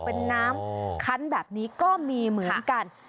เป็นน้ำคันแบบนี้ก็มีเหมือนกัน